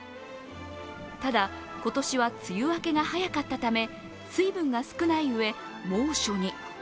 ただ、今年は梅雨明けが早かったため、水分が少ないうえ、猛暑に。